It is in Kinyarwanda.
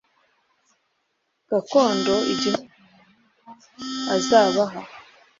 gakondo igihugu yehova azabaha